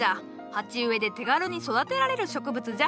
鉢植えで手軽に育てられる植物じゃ。